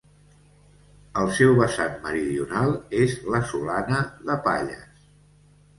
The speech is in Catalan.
El seu vessant meridional és la Solana de Palles.